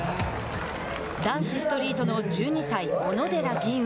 男子ストリートの１２歳、小野寺吟雲。